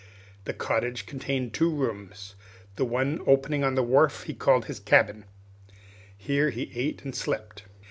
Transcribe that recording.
The cottage contained two rooms; the one opening on the wharf he called his cabin; here he ate and slept.